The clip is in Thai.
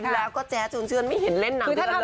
แล้วก็แจ๊ดชวนไม่เห็นเล่นหนังโดยกันเลย